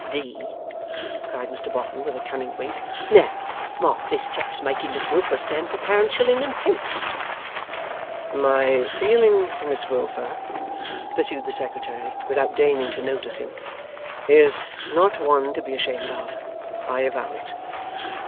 s.d.!' cried Mr Boffin, with a cunning wink. 'Now, mark this chap's making Miss Wilfer stand for Pounds, Shillings, and Pence!' 'My feeling for Miss Wilfer,' pursued the Secretary, without deigning to notice him, 'is not one to be ashamed of. I avow it.